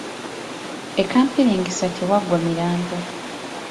E Kampiringisa tewaggwa mirambo.